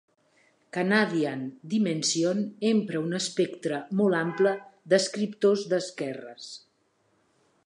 "Canadian Dimension" empra un espectre molt ample d'escriptors d'esquerres.